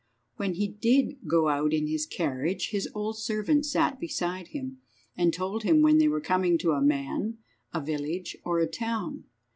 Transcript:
When he did go out in his carriage his old servant sat beside him, and told him when they were coming to a man, a village, or a town.